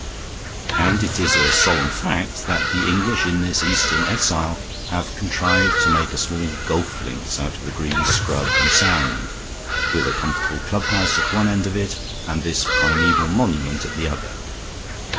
And it is a solemn fact that the English in this Eastern exile have contrived to make a small golf links out of the green scrub and sand; with a comfortable clubhouse at one end of it and this primeval monument at the other.